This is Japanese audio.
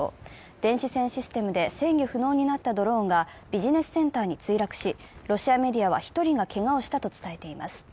電子戦システムで制御不能になったドローンがビジネスセンターに墜落し、ロシアメディアは１人がけがをしたと伝えています。